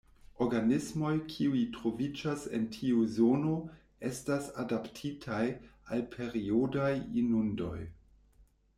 Organismoj kiuj troviĝas en tiu zono estas adaptitaj al periodaj inundoj.